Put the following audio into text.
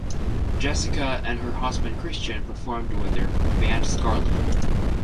Jessicka and her husband Christian performed with their band Scarling.